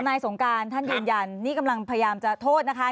สงการท่านยืนยันนี่กำลังพยายามจะโทษนะคะ